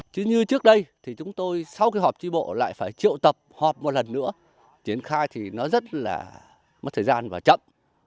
chứ như trước đây thì chúng tôi sau khi họp tri bộ lại phải triệu tập họp một lần nữa triển khai thì nó rất là mất thời gian và chậm